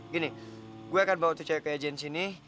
gini gue akan bawa tuh cewek ke agents ini